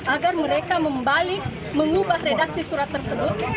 agar mereka membalik mengubah redaksi surat tersebut